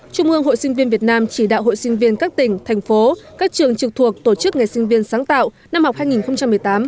trung mương hội sinh viên việt nam chỉ đạo hội sinh viên các tỉnh thành phố các trường trực thuộc tổ chức nghề sinh viên sáng tạo năm học hai nghìn một mươi tám hai nghìn một mươi chín